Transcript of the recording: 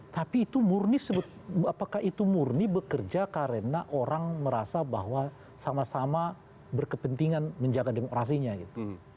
tapi itu murni apakah itu murni bekerja karena orang merasa bahwa sama sama berkepentingan menjaga demokrasinya gitu